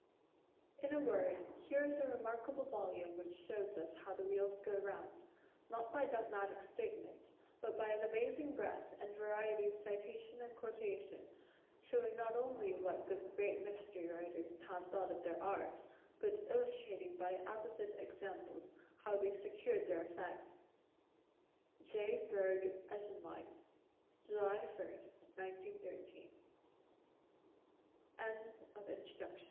In a word, here is a remarkable volume which shows us how the wheels go round, not by dogmatic statement, but by an amazing breath and variety of citation and quotation, showing not only what the great mystery writers have thought of their art, but illustrating by apposite examples how they secured their effects. J. Berg Esenwein. July I, 1913. CHAPTER I THE ETERNAL CURIOUS Why